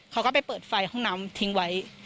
เขาก็ไปเปิดไฟห้องน้ำทิ้งไว้